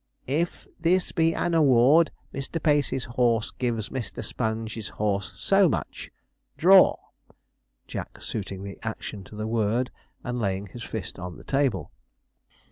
'If this be an award, Mr. Pacey's horse gives Mr. Sponge's horse so much draw.' (Jack suiting the action to the word, and laying his fist on the table.)